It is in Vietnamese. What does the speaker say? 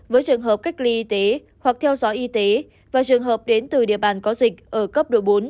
với trường hợp cách ly y tế hoặc theo dõi y tế và trường hợp đến từ địa bàn có dịch ở cấp độ bốn